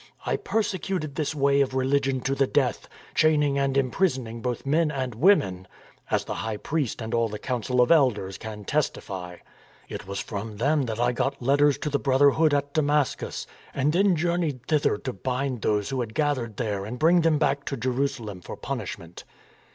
I persecuted this Way of religion to the death, chaining and imprisoning both men and women, as the high priest and all the council of elders can testify. It was from them that I got letters to the brotherhood at Damascus, and then journeyed thither to bind those who had gathered there and bring them back to Jerusalem for punishment.